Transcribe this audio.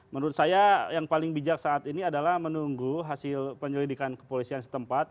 menurut saya yang paling bijak saat ini adalah menunggu hasil penyelidikan kepolisian setempat